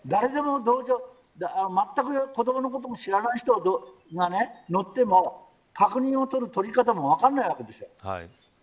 まったく子どものことも知らない人が乗っても確認の取り方も分からないわけです。